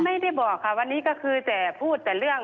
ไม่ได้บอกค่ะวันนี้ก็คือแต่พูดแต่เรื่อง